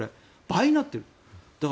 倍になっている。